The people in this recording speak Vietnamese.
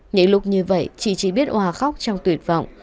những lúc như vậy chị chi biết hòa khóc trong tuyệt vọng